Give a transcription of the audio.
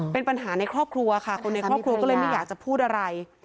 เป็นปัญหาในครอบครัวค่ะคนในครอบครัวก็เลยไม่อยากจะพูดอะไร